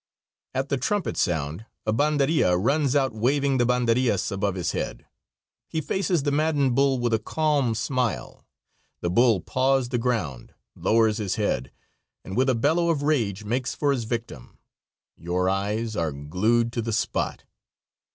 At the trumpet sound a banderilla runs out waving the banderillas above his head. He faces the maddened bull with a calm smile. The bull paws the ground, lowers his head, and with a bellow of rage makes for his victim. Your eyes are glued to the spot.